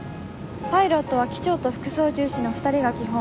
パイロットは機長と副操縦士の２人が基本。